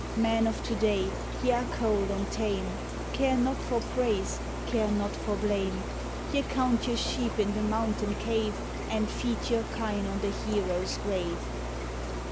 " Men of to day, ye are cold and tame, Care not for praise, care not for blame ; Ye count your sheep in the mountain cave, And feed your kine on the heroes' grave.